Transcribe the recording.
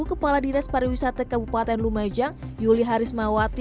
kepala dinas pariwisata kabupaten lumajang yuli harismawati